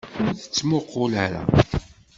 Ur t-ttmuqqul ara!